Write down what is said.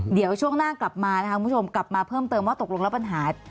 เดี๋ยวช่วงหน้ากลับมานะคะคุณผู้ชมกลับมาเพิ่มเติมว่าตกลงแล้วปัญหา